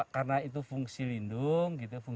karena itu fungsi lindung